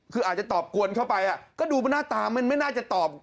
คืออาจจะตอบกวนเข้าไปก็ดูหน้าตามันไม่น่าจะตอบ